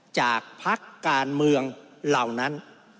จากภักดิ์การเมืองเหล่านั้น